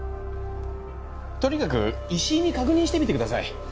とにかく石井に確認してみてください。